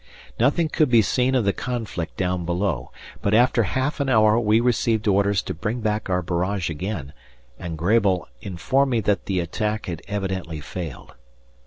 Nothing could be seen of the conflict down below, but after half an hour we received orders to bring back our barrage again, and Grabel informed me that the attack had evidently failed.